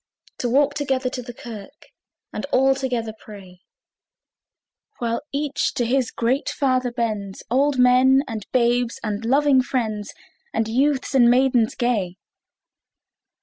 To walk together to the kirk, And all together pray, While each to his great Father bends, Old men, and babes, and loving friends, And youths and maidens gay!